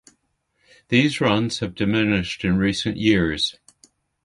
These runs have diminished in recent years.